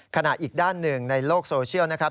อีกด้านหนึ่งในโลกโซเชียลนะครับ